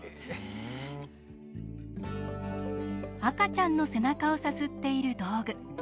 赤ちゃんの背中をさすっている道具。